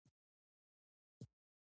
بزګر له باد سره دعا کوي